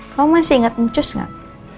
kau masih inget ncus gak